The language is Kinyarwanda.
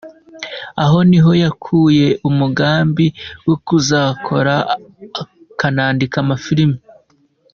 Aho ni ho yakuye umugambo wo kuzakora akanandika amafilimi.